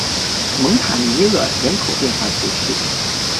蒙塔尼厄人口变化图示